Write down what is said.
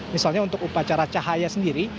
misalnya untuk upacara cahaya sendiri